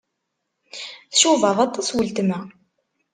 Tcubaḍ aṭas weltma.